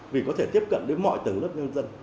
vì có thể tiếp cận đến mọi tầng lớp nhân dân